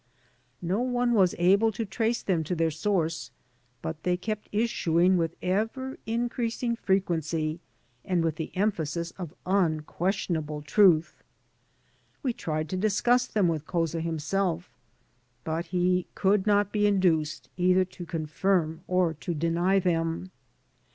No one was able to trace them to their source, but they kept issuing with ever increasing frequency and with the emphasis of unquestionable truth. We tried to discuss them with Couza himself, but he could not be induced either to confirm or to deny them.